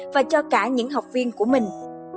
và cho cả những học viên của mình